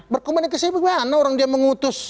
berkomunikasi bagaimana orang dia mengutus